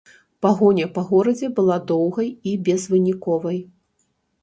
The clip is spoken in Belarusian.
Пагоня па горадзе была доўгай і безвыніковай.